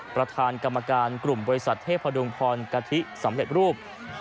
ประธานกรรมการกลุ่มบริษัทเทพดุงพรกะทิสำเร็จรูป